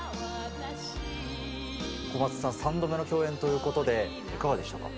小松さん、３度目の共演ということで、いかがでしたか。